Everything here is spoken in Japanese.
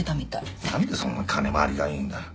何でそんな金回りがいいんだ？